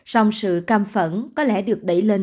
xong sự căm phẫn có lẽ được đẩy lên